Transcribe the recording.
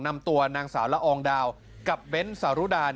นำตัวนางสาวละอองดาวกับเบ้นสารุดา